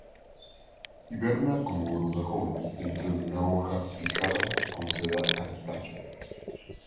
Hiberna como oruga joven, dentro de una hoja fijada con seda al tallo.